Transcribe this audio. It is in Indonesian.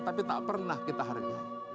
tapi tak pernah kita hargai